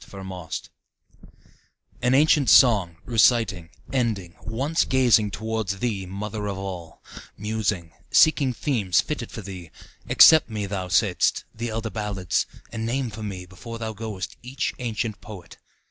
Old Chants An ancient song, reciting, ending, Once gazing toward thee, Mother of All, Musing, seeking themes fitted for thee, Accept me, thou saidst, the elder ballads, And name for me before thou goest each ancient poet.